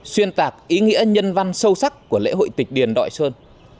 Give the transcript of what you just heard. xuyên tạc ý nghĩa nhân văn sâu sắc của lễ hội tịch điền đội sơn